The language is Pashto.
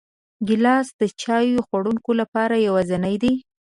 ګیلاس د چای خوړونکو لپاره یوازینی دی.